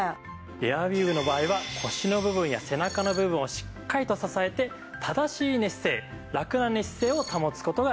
エアウィーヴの場合は腰の部分や背中の部分をしっかりと支えて正しい寝姿勢ラクな寝姿勢を保つ事ができるんです。